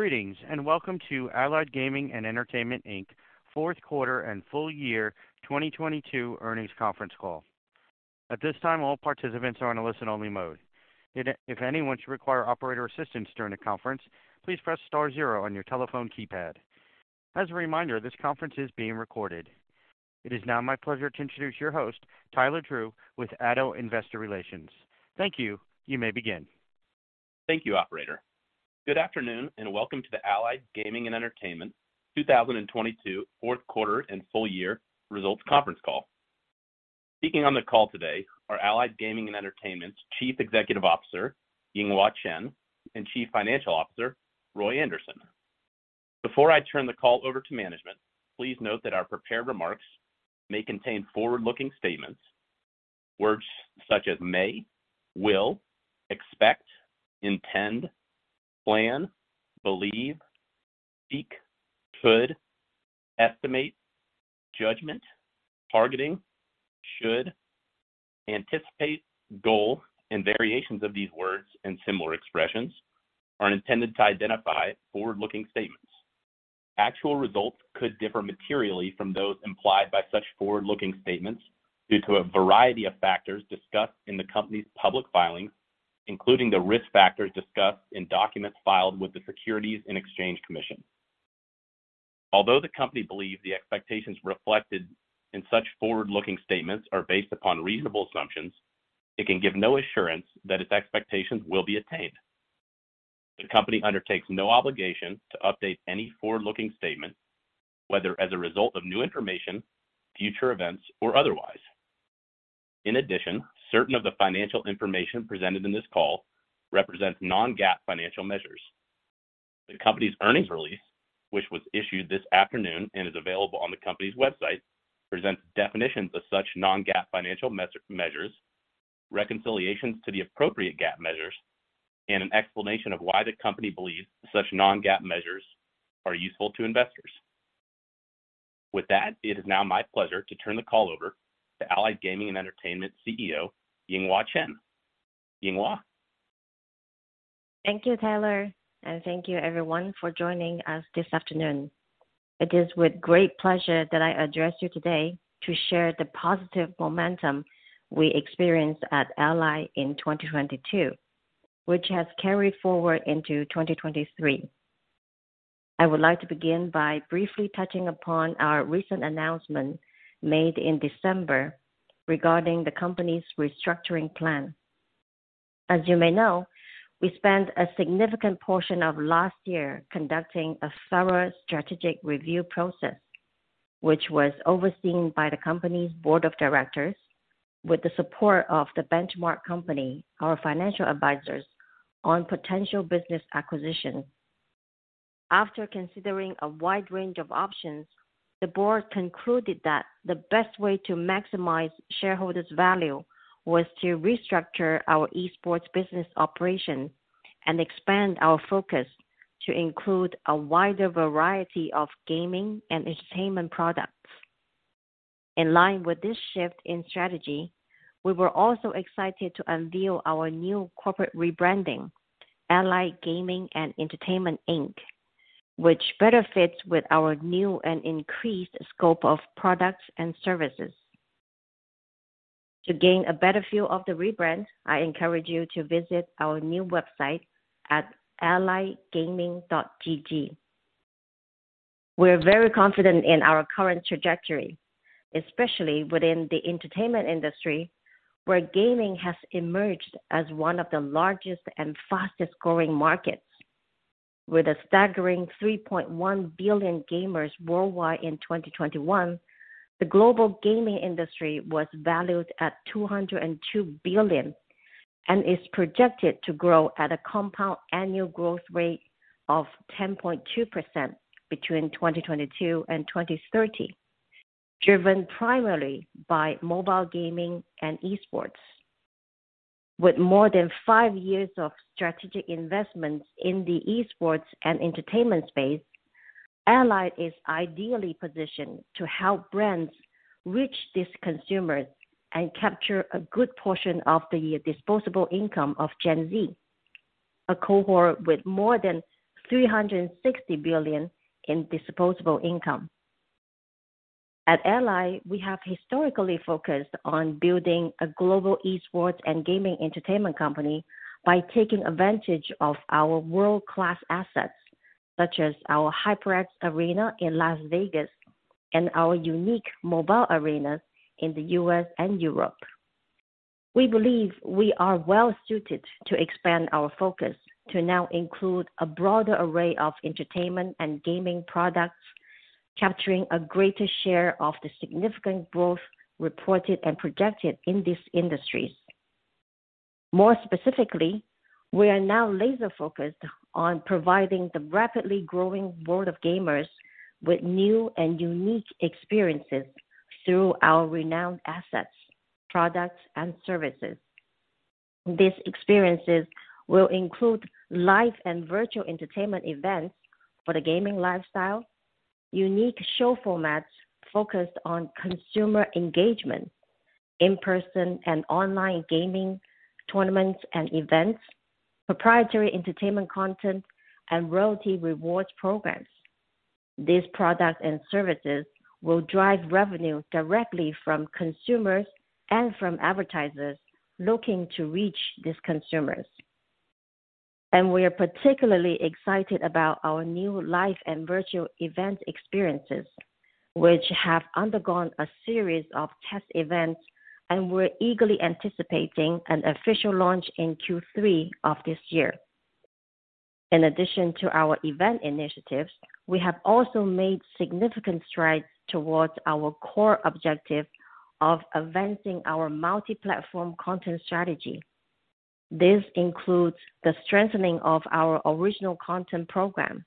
Greetings, and welcome to Allied Gaming & Entertainment, Inc. Q4 and full year 2022 earnings conference call. At this time, all participants are on a listen-only mode. If anyone should require operator assistance during the conference, please press * 0 on your telephone keypad. As a reminder, this conference is being recorded. It is now my pleasure to introduce your host, Tyler Drew, with Addo Investor Relations. Thank you. You may begin. Thank you, operator. Good afternoon, and welcome to the Allied Gaming & Entertainment 2022 Q4 and full year results conference call. Speaking on the call today are Allied Gaming & Entertainment's Chief Executive Officer, Yinghua Chen, and Chief Financial Officer, Roy Anderson. Before I turn the call over to management, please note that our prepared remarks may contain forward-looking statements. Words such as may, will, expect, intend, plan, believe, seek, could, estimate, judgment, targeting, should, anticipate, goal, and variations of these words and similar expressions are intended to identify forward-looking statements. Actual results could differ materially from those implied by such forward-looking statements due to a variety of factors discussed in the company's public filings, including the risk factors discussed in documents filed with the Securities and Exchange Commission. Although the company believes the expectations reflected in such forward-looking statements are based upon reasonable assumptions, it can give no assurance that its expectations will be attained. The company undertakes no obligation to update any forward-looking statements, whether as a result of new information, future events, or otherwise. In addition, certain of the financial information presented in this call represents non-GAAP financial measures. The company's earnings release, which was issued this afternoon and is available on the company's website, presents definitions of such non-GAAP financial measures, reconciliations to the appropriate GAAP measures, and an explanation of why the company believes such non-GAAP measures are useful to investors. With that, it is now my pleasure to turn the call over to Allied Gaming & Entertainment CEO, Yinghua Chen. Yinghua. Thank you, Tyler, thank you everyone for joining us this afternoon. It is with great pleasure that I address you today to share the positive momentum we experienced at Allied in 2022, which has carried forward into 2023. I would like to begin by briefly touching upon our recent announcement made in December regarding the company's restructuring plan. As you may know, we spent a significant portion of last year conducting a thorough strategic review process, which was overseen by the company's board of directors with the support of The Benchmark Company, our financial advisors on potential business acquisition. After considering a wide range of options, the board concluded that the best way to maximize shareholders' value was to restructure our esports business operation and expand our focus to include a wider variety of gaming and entertainment products. In line with this shift in strategy, we were also excited to unveil our new corporate rebranding, Allied Gaming & Entertainment, Inc., which better fits with our new and increased scope of products and services. To gain a better feel of the rebrand, I encourage you to visit our new website at alliedgaming.gg. We're very confident in our current trajectory, especially within the entertainment industry, where gaming has emerged as one of the largest and fastest-growing markets. With a staggering $3.1 billion gamers worldwide in 2021, the global gaming industry was valued at $202 billion and is projected to grow at a compound annual growth rate of 10.2% between 2022 and 2030, driven primarily by mobile gaming and esports. With more than 5 years of strategic investments in the esports and entertainment space, Allied is ideally positioned to help brands reach these consumers and capture a good portion of the disposable income of Gen Z, a cohort with more than $360 billion in disposable income. At Allied, we have historically focused on building a global esports and gaming entertainment company by taking advantage of our world-class assets, such as our HyperX Arena in Las Vegas and our unique mobile arenas in the US and Europe. We believe we are well-suited to expand our focus to now include a broader array of entertainment and gaming products, capturing a greater share of the significant growth reported and projected in these industries. More specifically, we are now laser-focused on providing the rapidly growing world of gamers with new and unique experiences through our renowned assets, products, and services. These experiences will include live and virtual entertainment events for the gaming lifestyle, unique show formats focused on consumer engagement. In-person and online gaming tournaments and events, proprietary entertainment content, and royalty rewards programs. These products and services will drive revenue directly from consumers and from advertisers looking to reach these consumers. We are particularly excited about our new live and virtual event experiences, which have undergone a series of test events, and we're eagerly anticipating an official launch in Q3 of this year. In addition to our event initiatives, we have also made significant strides towards our core objective of advancing our multi-platform content strategy. This includes the strengthening of our original content program.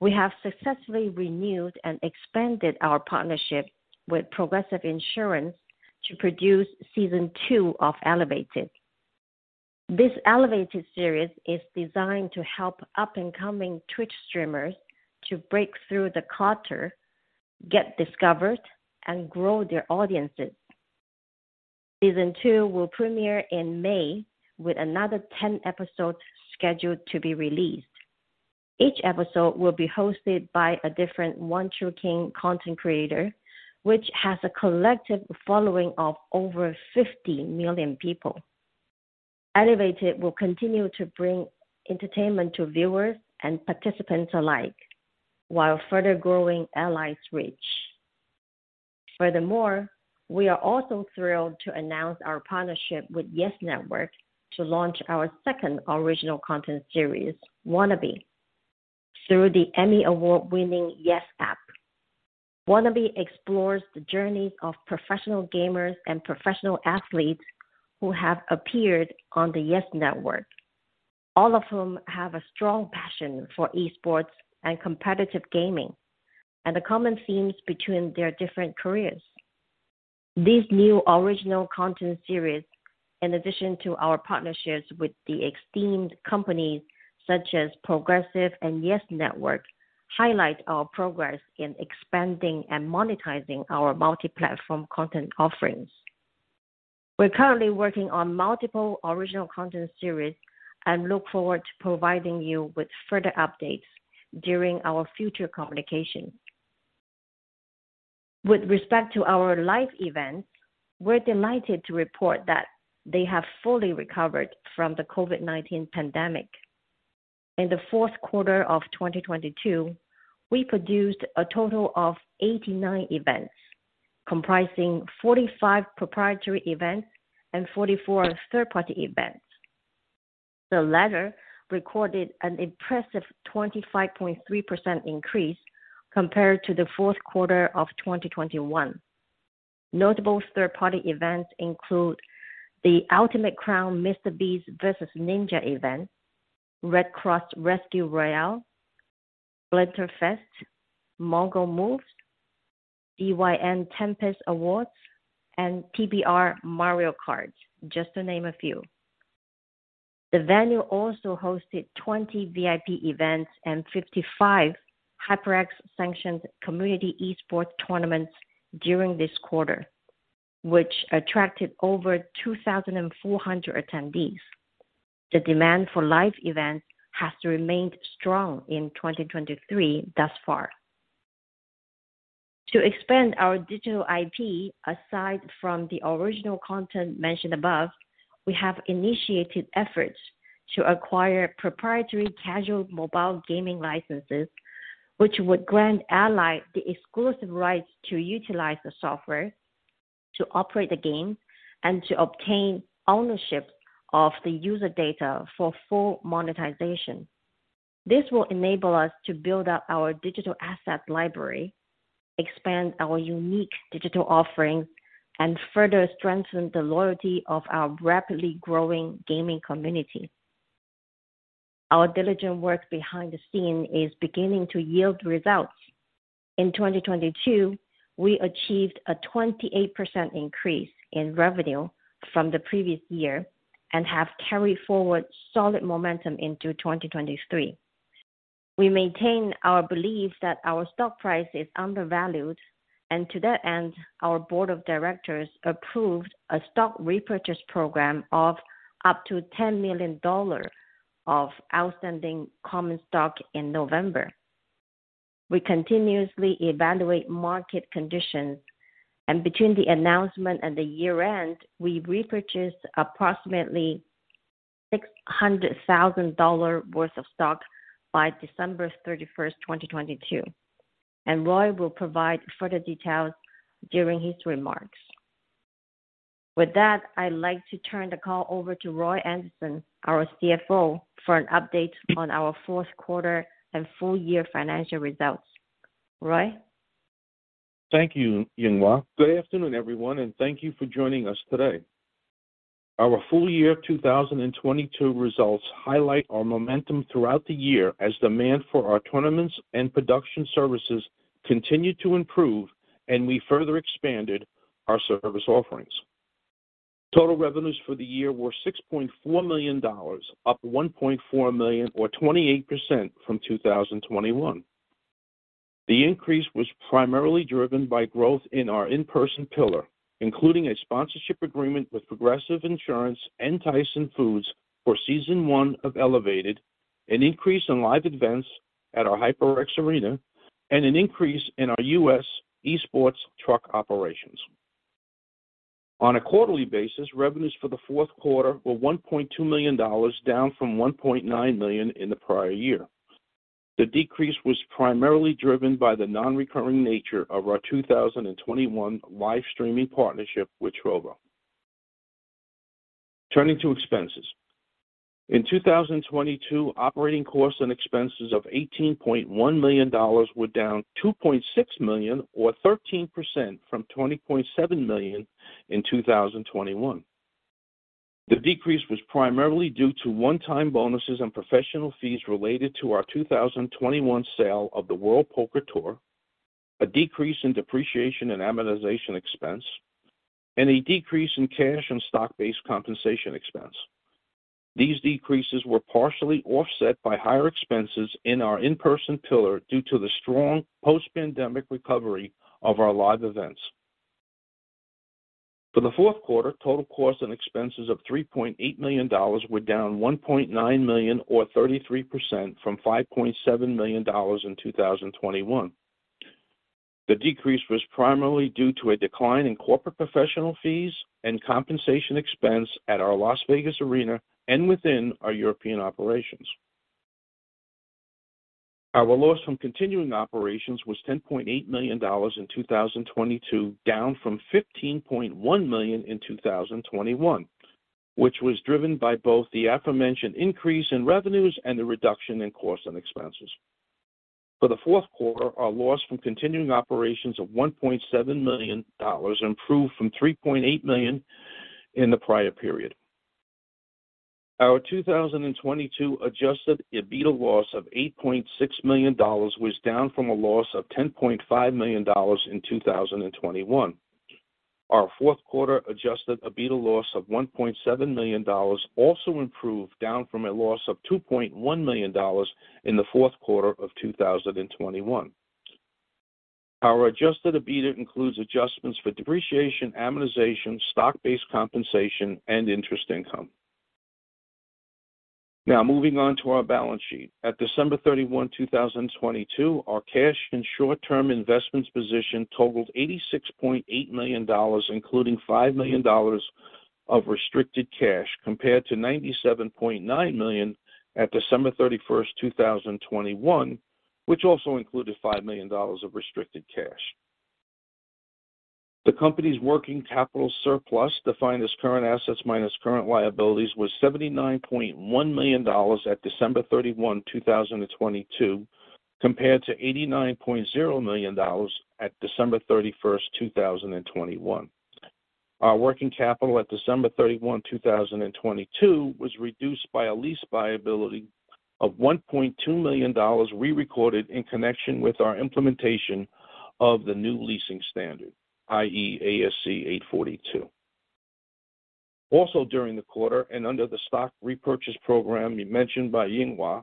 We have successfully renewed and expanded our partnership with Progressive Insurance to produce season 2 of ELEVATED. This ELEVATED series is designed to help up-and-coming Twitch streamers to break through the clutter, get discovered, and grow their audiences. Season 2 will premiere in May with another 10 episodes scheduled to be released. Each episode will be hosted by a different One True King content creator, which has a collective following of over 50 million people. ELEVATED will continue to bring entertainment to viewers and participants alike while further growing Allied's reach. We are also thrilled to announce our partnership with YES Network to launch our 2nd original content series, WANNABE, through the Emmy Award-winning YES App. WANNABE explores the journeys of professional gamers and professional athletes who have appeared on the YES Network, all of whom have a strong passion for esports and competitive gaming, and the common themes between their different careers. This new original content series, in addition to our partnerships with the esteemed companies such as Progressive and YES Network, highlight our progress in expanding and monetizing our multi-platform content offerings. We're currently working on multiple original content series and look forward to providing you with further updates during our future communication. With respect to our live events, we're delighted to report that they have fully recovered from the COVID-19 pandemic. In the Q4 of 2022, we produced a total of 89 events, comprising 45 proprietary events and 44 third-party events. The latter recorded an impressive 25.3% increase compared to the Q4 of 2021. Notable third-party events include the Ultimate Crown MrBeast versus Ninja event, Red Cross Rescue Royale, Splinterfest, Mogul Moves, Tempest Awards, and PBR Mario Kart, just to name a few. The venue also hosted 20 VIP events and 55 HyperX-sanctioned community esports tournaments during this quarter, which attracted over 2,400 attendees. The demand for live events has remained strong in 2023 thus far. To expand our digital IP, aside from the original content mentioned above, we have initiated efforts to acquire proprietary casual mobile gaming licenses, which would grant Allied the exclusive rights to utilize the software, to operate the game, and to obtain ownership of the user data for full monetization. This will enable us to build up our digital asset library, expand our unique digital offerings, and further strengthen the loyalty of our rapidly growing gaming community. Our diligent work behind the scene is beginning to yield results. In 2022, we achieved a 28% increase in revenue from the previous year and have carried forward solid momentum into 2023. We maintain our belief that our stock price is undervalued, and to that end, our board of directors approved a stock repurchase program of up to $10 million of outstanding common stock in November. We continuously evaluate market conditions, and between the announcement and the year-end, we repurchased approximately $600,000 worth of stock by December 31, 2022, and Roy will provide further details during his remarks. With that, I'd like to turn the call over to Roy Anderson, our CFO, for an update on our Q4 and full-year financial results. Roy? Thank you, Yinghua. Good afternoon, everyone, and thank you for joining us today. Our full year 2022 results highlight our momentum throughout the year as demand for our tournaments and production services continued to improve, and we further expanded our service offerings. Total revenues for the year were $6.4 million, up $1.4 million or 28% from 2021. The increase was primarily driven by growth in our in-person pillar, including a sponsorship agreement with Progressive Insurance and Tyson Foods for season 1 of ELEVATED, an increase in live events at our HyperX Arena, and an increase in our U.S. esports truck operations. On a quarterly basis, revenues for the Q4 were $1.2 million, down from $1.9 million in the prior year. The decrease was primarily driven by the non-recurring nature of our 2021 live streaming partnership with Trovo. Turning to expenses. In 2022, operating costs and expenses of $18.1 million were down $2.6 million or 13% from $20.7 million in 2021. The decrease was primarily due to one-time bonuses and professional fees related to our 2021 sale of the World Poker Tour, a decrease in depreciation and amortization expense, and a decrease in cash and stock-based compensation expense. These decreases were partially offset by higher expenses in our in-person pillar due to the strong post-pandemic recovery of our live events. For the Q4, total costs and expenses of $3.8 million were down $1.9 million or 33% from $5.7 million in 2021. The decrease was primarily due to a decline in corporate professional fees and compensation expense at our Las Vegas arena and within our European operations. Our loss from continuing operations was $10.8 million in 2022, down from $15.1 million in 2021, which was driven by both the aforementioned increase in revenues and the reduction in costs and expenses. For the Q4, our loss from continuing operations of $1.7 million improved from $3.8 million in the prior period. Our 2022 adjusted EBITDA loss of $8.6 million was down from a loss of $10.5 million in 2021. Our Q4 adjusted EBITDA loss of $1.7 million also improved, down from a loss of $2.1 million in the Q4 of 2021. Our adjusted EBITDA includes adjustments for depreciation, amortization, stock-based compensation, and interest income. Moving on to our balance sheet. At December 31, 2022, our cash and short-term investments position totaled $86.8 million, including $5 million of restricted cash, compared to $97.9 million at December 31, 2021, which also included $5 million of restricted cash. The company's working capital surplus, defined as current assets minus current liabilities, was $79.1 million at December 31, 2022, compared to $89.0 million at December 31, 2021. Our working capital at December 31, 2022, was reduced by a lease liability of $1.2 million re-recorded in connection with our implementation of the new leasing standard, i.e. ASC 842. During the quarter, and under the stock repurchase program mentioned by Yinghua,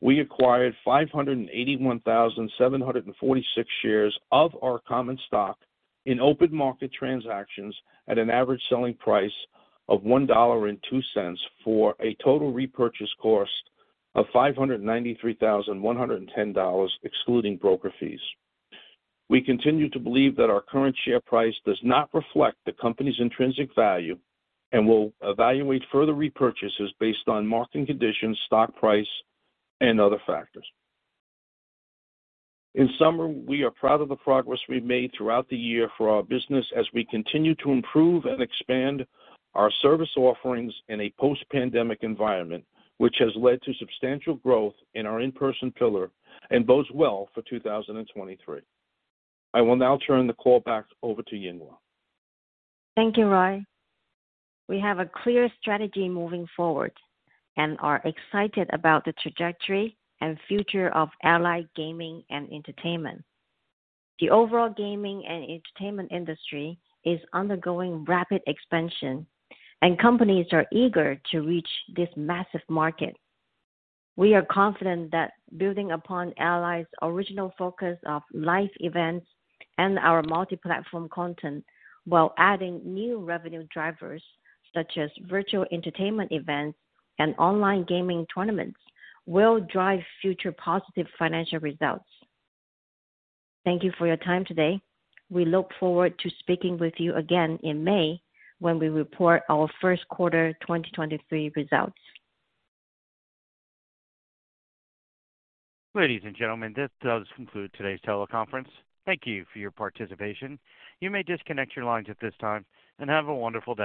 we acquired 581,746 shares of our common stock in open market transactions at an average selling price of $1.02 for a total repurchase cost of $593,110, excluding broker fees. We continue to believe that our current share price does not reflect the company's intrinsic value and will evaluate further repurchases based on marketing conditions, stock price, and other factors. In summary, we are proud of the progress we've made throughout the year for our business as we continue to improve and expand our service offerings in a post-pandemic environment, which has led to substantial growth in our in-person pillar and bodes well for 2023. I will now turn the call back over to Yinghua. Thank you, Roy. We have a clear strategy moving forward and are excited about the trajectory and future of Allied Gaming & Entertainment. The overall gaming and entertainment industry is undergoing rapid expansion, and companies are eager to reach this massive market. We are confident that building upon Allied's original focus of live events and our multi-platform content while adding new revenue drivers such as virtual entertainment events and online gaming tournaments will drive future positive financial results. Thank you for your time today. We look forward to speaking with you again in May when we report our Q1 2023 results. Ladies and gentlemen, this does conclude today's teleconference. Thank you for your participation. You may disconnect your lines at this time, and have a wonderful day.